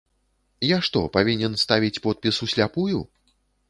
Я што, павінен ставіць подпіс усляпую?